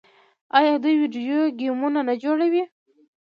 آیا دوی ویډیو ګیمونه نه جوړوي؟